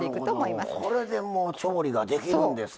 なるほどこれでもう調理ができるんですね。